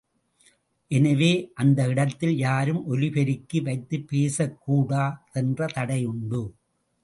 எனவே, அந்த இடத்தில், யாரும் ஒலி பெருக்கி வைத்துப் பேசக் கூடா தென்ற தடையுண்டு.